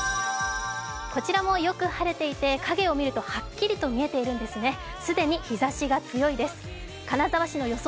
こちらもよく晴れていて影を見るとはっきりしていて既に日ざしが強いです金沢市の予想